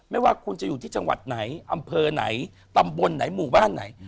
ไม่ว่าคุณจะอยู่ที่จังหวัดไหนอำเภอไหนตำบลไหนหมู่บ้านไหน